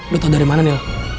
lu tau dari mana niel